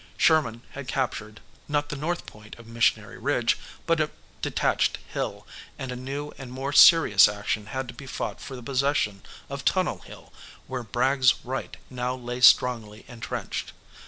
Sherman had captured, not the north point of Missionary Ridge, but a detached hill, and a new and more serious action had to be fought for the possession of Tunnel Hill, where Bragg's right now lay strongly entrenched.